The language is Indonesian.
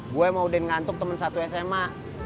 gue sama udin ngantuk temen satu sma